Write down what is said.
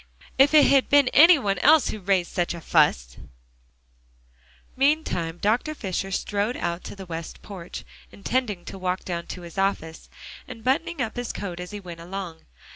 If it had been any one else who raised such a fuss!" Meantime Dr. Fisher strode out to the west porch, intending to walk down to his office, and buttoning up his coat as he went along.